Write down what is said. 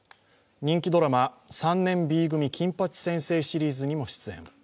人気ドラマ「３年Ｂ組金八先生」シリーズにも出演。